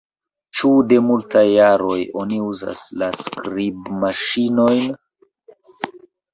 Ĉu de multaj jaroj oni uzas la skribmaŝinojn?